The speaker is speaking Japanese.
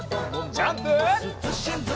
ジャンプ！